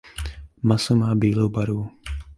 Maso má bílou barvu.